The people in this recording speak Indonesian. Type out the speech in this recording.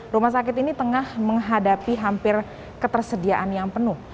rumah sakit ini tengah menghadapi hampir ketersediaan yang penuh